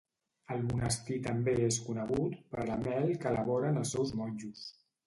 El monestir també és conegut per la mel que elaboren els seus monjos.